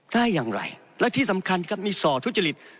ได้อย่างไรและที่สำคัญครับมีส่อทุจริต